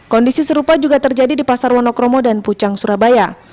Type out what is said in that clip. kondisi serupa juga terjadi di pasar wonokromo dan pucang surabaya